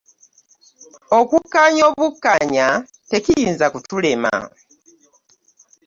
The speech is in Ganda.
Okukkaanya obukkaanya tekiyinza kutulema.